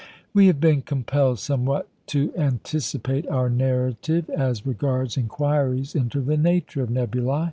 We have been compelled somewhat to anticipate our narrative as regards inquiries into the nature of nebulæ.